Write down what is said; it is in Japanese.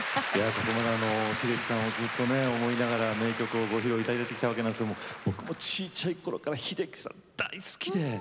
ここまで秀樹さんをずっとね思いながら名曲をご披露いただいてきたわけなんですけども僕も小ちゃい頃から秀樹さん大好きで。